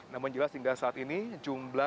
namun jelas hingga saat ini jumlah